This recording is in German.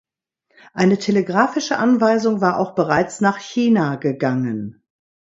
Eine telegrafische Anweisung war auch bereits nach China gegangen.